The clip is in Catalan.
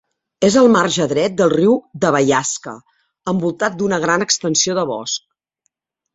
És al marge dret del Riu de Baiasca, envoltat d'una gran extensió de bosc.